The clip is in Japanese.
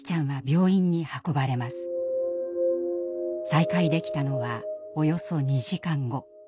再会できたのはおよそ２時間後。